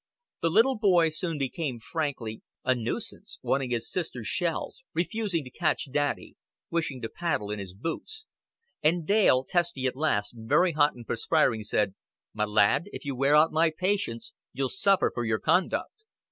The little boy soon became, frankly, a nuisance, wanting his sister's shells, refusing to catch daddy, wishing to paddle in his boots; and Dale, testy at last, very hot and perspiring said: "Ma lad, if you wear out my patience, you'll suffer for your conduct."